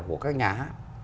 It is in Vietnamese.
của các nhà hát